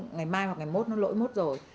ngày mai hoặc ngày mốt nó lỗi mốt rồi